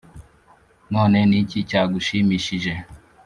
none n’iki cyagushimishije?